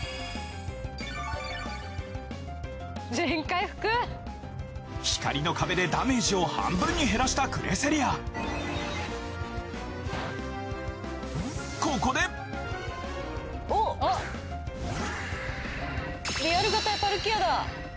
ひかりのかべでダメージを半分に減らしたクレセリアここでディアルガ対パルキアだ。